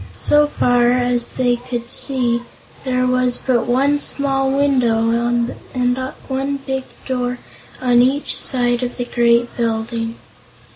So far as they could see, there was but one small window and one big door on each side of the great building.